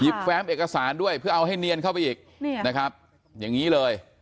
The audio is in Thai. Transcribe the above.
แฟ้มเอกสารด้วยเพื่อเอาให้เนียนเข้าไปอีกนะครับอย่างนี้เลย